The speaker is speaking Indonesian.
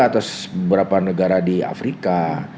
atau beberapa negara di afrika